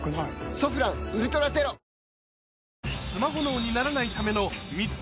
「ソフランウルトラゼロ」えっ！